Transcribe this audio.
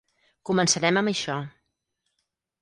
Començarem amb això.